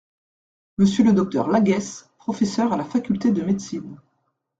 Monsieur le Dr Laguesse, professeur à la Faculté de médecine.